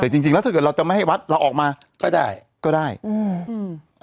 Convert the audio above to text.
แต่จริงจริงแล้วถ้าเกิดเราจะไม่ให้วัดเราออกมาก็ได้ก็ได้อืมอืม